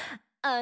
あ！